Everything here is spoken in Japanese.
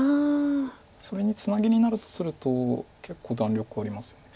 それにツナギになるとすると結構弾力ありますよね。